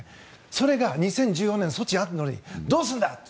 それが２０１４年ソチがあるのにどうするんだと。